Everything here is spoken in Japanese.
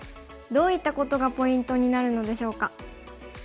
どういったことがポイントになるのでしょうか。